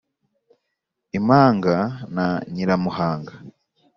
i mpanga ya nyiramuhanga